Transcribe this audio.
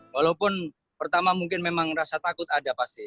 walaupun pertama mungkin memang rasa takut ada pasti